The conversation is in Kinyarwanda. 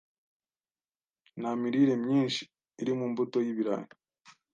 Nta mirire myinshi iri mu mbuto y'ibirayi.